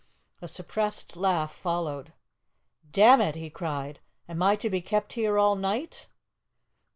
A suppressed laugh followed. "Damn it!" he cried, "am I to be kept here all night?"